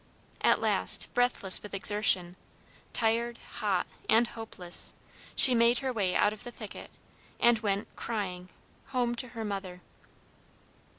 At last, breathless with exertion, tired, hot, and hopeless, she made her way out of the thicket, and went, crying, home to her mother.